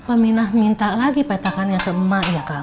pemina minta lagi petakannya ke emak ya kang